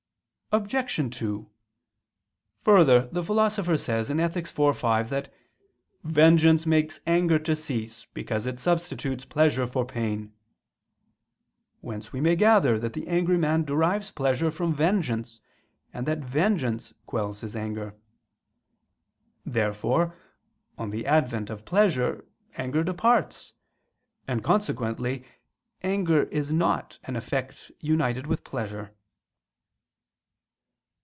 Obj. 2: Further, the Philosopher says (Ethic. iv, 5) that "vengeance makes anger to cease, because it substitutes pleasure for pain": whence we may gather that the angry man derives pleasure from vengeance, and that vengeance quells his anger. Therefore on the advent of pleasure, anger departs: and consequently anger is not an effect united with pleasure.